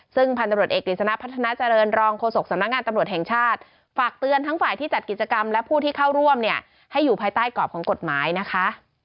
ซึ่งพันธุ์ตำรวจเอกกฤษณะพัฒนาเจริญรองโฆษกสำนักงานตำรวจแห่งชาติฝากเตือนทั้งฝ่ายที่จัดกิจกรรมและผู้ที่เข้าร่วมเนี่ยให้อยู่ภายใต้กรอบของกฎหมายนะคะ